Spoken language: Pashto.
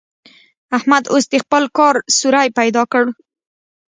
احمد اوس د خپل کار سوری پيدا کړ.